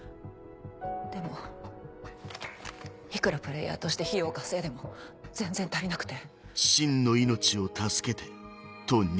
でもいくらプレイヤーとして費用を稼いでも全然足りなくて。